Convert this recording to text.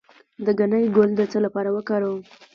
د ګنی ګل د څه لپاره وکاروم؟